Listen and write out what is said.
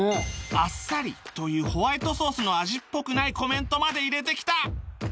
「あっさり」というホワイトソースの味っぽくないコメントまで入れてきた！